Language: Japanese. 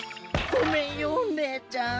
ごめんよねえちゃん。